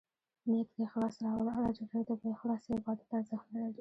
نیت کې اخلاص راوله ، الله ج ته بې اخلاصه عبادت ارزښت نه لري.